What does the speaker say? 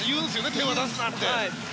手を出すな！ってね。